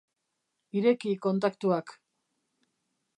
Ireki kontaktuak.